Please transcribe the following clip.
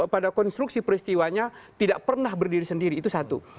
pada konstruksi peristiwanya tidak pernah berdiri sendiri itu satu